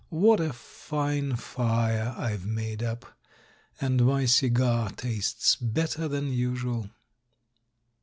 What a fine fire I've made up; and my cigar tastes better than usual